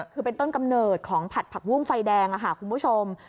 คือเป็นต้นกำเนิดของผัดผักบุ้งไฟแดงค่ะคุณผู้ชม